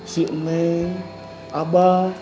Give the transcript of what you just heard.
si neng abah